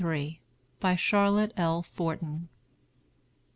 BY CHARLOTTE L. FORTEN.